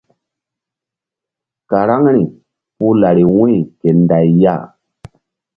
Karaŋri puh lari wu̧y ke nday ya.